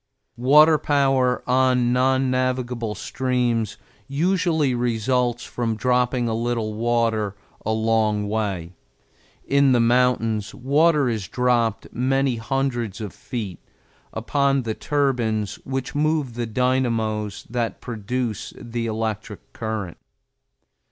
Water power on non navigable streams usually results from dropping a little water a long way. In the mountains water is dropped many hundreds of feet upon the turbines which move the dynamos that produce the electric current.